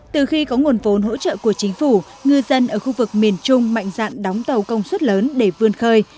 từ khi có nguồn vốn hỗ trợ của chính phủ ngư dân ở khu vực miền trung mạnh dạn đóng tàu công suất lớn để vươn khơi